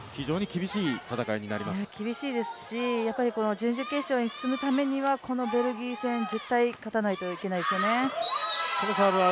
厳しいですし、準々決勝に進むためにはこのベルギー戦、絶対勝たないといけないですよね。